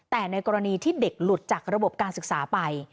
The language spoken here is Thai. แต่ในกรณีที่เด็กหลุดจากระบบการศึกษาไป